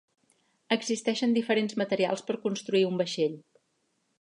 Existeixen diferents materials per construir un vaixell.